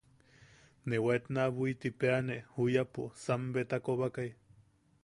Ne waet naa buitipeʼeanne juyapo, sambeta kobakai.